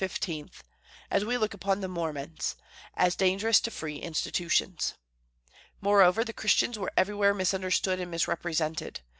as we look upon the Mormons, as dangerous to free institutions. Moreover, the Christians were everywhere misunderstood and misrepresented.